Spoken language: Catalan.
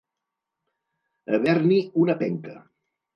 Haver-n'hi una penca.